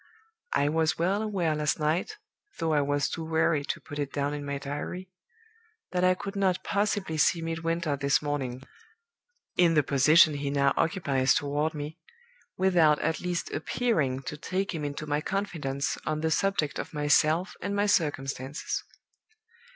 "I was well aware last night (though I was too weary to put it down in my diary), that I could not possibly see Midwinter this morning in the position he now occupies toward me without at least appearing to take him into my confidence on the subject of myself and my circumstances.